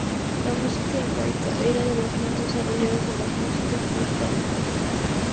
La música incaica era de las más desarrolladas de las músicas prehispánicas.